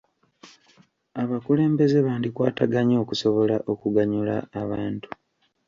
Abakulembeze bandikwataganye okusobola okuganyula abantu.